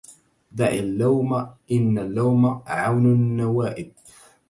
دع اللوم إن اللوم عون النوائب